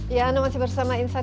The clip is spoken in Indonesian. ya masih bersama insight